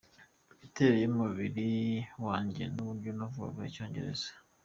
Imiterere y’umubiri wanjye n’uburyo navugaga Icyongereza.